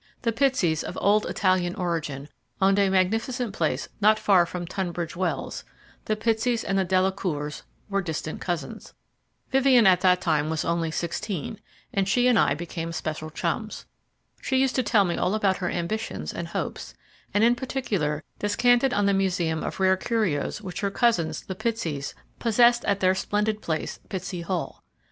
The Pitseys, of old Italian origin, owned a magnificent place not far from Tunbridge Wells the Pitseys and the Delacours were distant cousins. Vivien at that time was only sixteen, and she and I became special chums. She used to tell me all about her ambitions and hopes, and in particular descanted on the museum of rare curios which her cousins, the Pitseys, possessed at their splendid place, Pitsey Hall.